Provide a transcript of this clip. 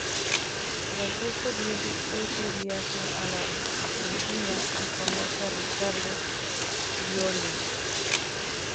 Tras esto Diego Petru viaja a la Argentina y conoce a Ricardo Iorio.